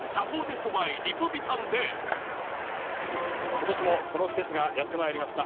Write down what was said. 今年もこの季節がやってまいりました。